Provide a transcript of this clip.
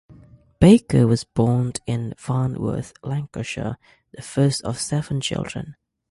Baker was born in Farnworth, Lancashire, the first of seven children.